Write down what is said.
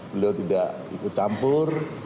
beliau tidak ikut campur